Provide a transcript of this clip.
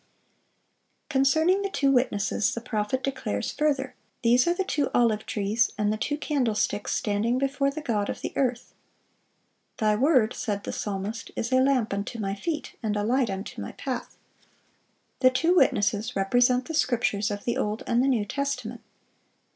Concerning the two witnesses, the prophet declares further, "These are the two olive trees, and the two candle sticks standing before the God of the earth." "Thy word," said the psalmist, "is a lamp unto my feet, and a light unto my path."(388) The two witnesses represent the Scriptures of the Old and the New Testament.